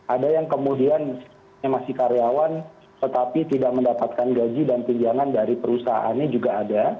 ada yang kemudian masih karyawan tetapi tidak mendapatkan gaji dan tunjangan dari perusahaannya juga ada